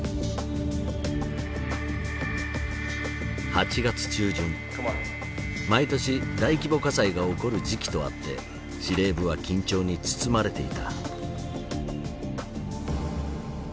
８月中旬毎年大規模火災が起こる時期とあって司令部は緊張に包まれていた。